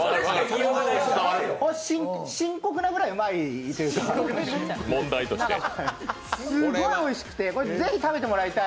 深刻なくらいうまいというかすっごいおいしくて、ぜひ食べてもらいたい。